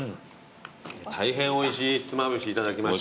大変おいしいひつまぶしいただきました。